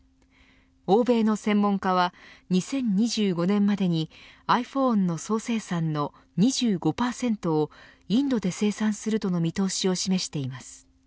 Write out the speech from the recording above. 欧米の専門家は２０２５年までにｉＰｈｏｎｅの総生産の２５％をインドで生産するとの見通しを示しています。